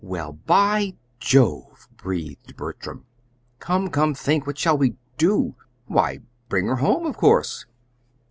"Well, by Jove!" breathed Bertram. "Come, come, think! What shall we do?" "Why, bring her home, of course."